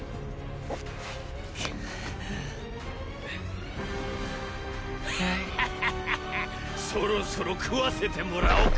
くっハハハハそろそろ食わせてもらおうか